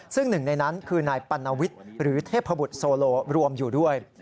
ซึ่งหนึ่งในนั้นคือนายปัณวิทย์หรือเทพบุตรโซโลรวมอยู่ด้วย